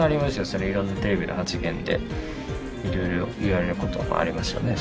そりゃいろんなテレビの発言でいろいろ言われることもありますよね